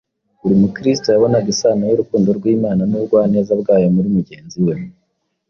Buri mukristo yabonaga isano y’urukundo rw’Imana n’ubugwaneza bwayo muri mugenzi we.